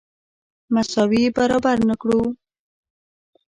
مساوي برابر نه کړو.